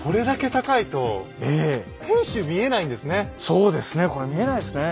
そうですねこれ見えないですね。